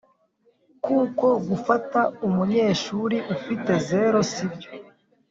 kuko gufata umunyeshuri ufite zero sibyo